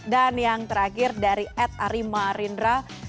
dan yang terakhir dari ed arimah rindra